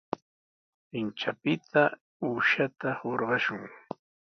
Kanchapita uushata hurqashun.